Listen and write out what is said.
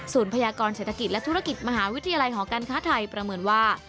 พยากรเศรษฐกิจและธุรกิจมหาวิทยาลัยหอการค้าไทยประเมินว่า